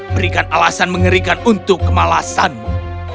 berikan alasan mengerikan untuk kemalasanmu